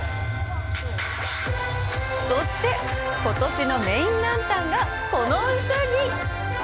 そして、ことしのメインランタンが、このウサギ！